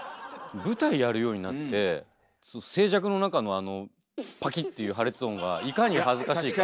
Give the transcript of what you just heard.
舞台やるようになって静寂の中のあのパキッていう破裂音がいかに恥ずかしいか。